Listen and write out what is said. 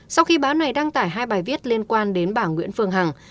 sau khi báo này đăng tải hai bài viết liên quan đến bà nguyễn phương hằng